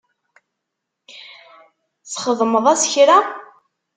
Txedmeḍ-as kra?